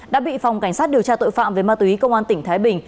đã bị phòng cảnh sát điều tra tội phạm về ma túy công an tỉnh thái bình